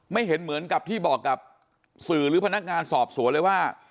เห็นเหมือนกับที่บอกกับสื่อหรือพนักงานสอบสวนเลยว่า